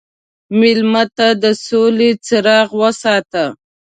مېلمه ته د سولې څراغ وساته.